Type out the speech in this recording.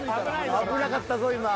危なかったぞ今。